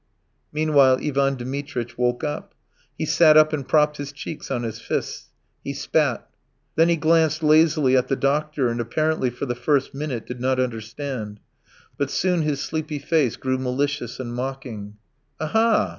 Meanwhile Ivan Dmitritch woke up; he sat up and propped his cheeks on his fists. He spat. Then he glanced lazily at the doctor, and apparently for the first minute did not understand; but soon his sleepy face grew malicious and mocking. "Aha!